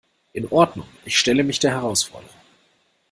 In Ordnung, ich stelle mich der Herausforderung.